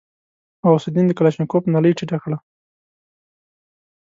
غوث الدين د کلاشينکوف نلۍ ټيټه کړه.